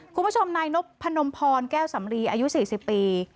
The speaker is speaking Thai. คุณผู้ชมนายนพนมพรแก้วสำรีอายุ๔๐ปี